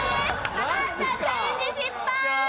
高橋さんチャレンジ失敗！